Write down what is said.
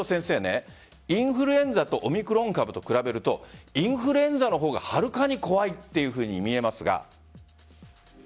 インフルエンザとオミクロン株を比べるとインフルエンザのほうがはるかに怖いというふうに見えますが。